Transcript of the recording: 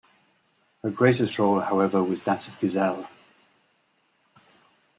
Her greatest role however was that of "Giselle".